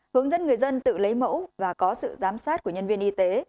hướng dẫn người dân tự lấy mẫu và có sự giám sát của nhân viên y tế